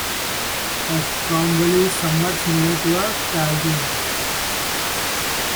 A stromboli is somewhat similar to a calzone.